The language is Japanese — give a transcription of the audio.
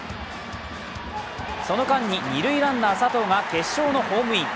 その間に二塁ランナー・佐藤が決勝のホームイン。